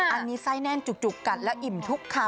อันนี้ไส้แน่นจุกกัดแล้วอิ่มทุกคำ